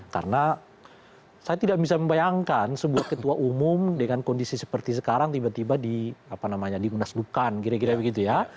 karena saya tidak bisa membayangkan sebuah ketua umum dengan kondisi seperti sekarang tiba tiba di apa namanya diundas lukan kira kira begitu ya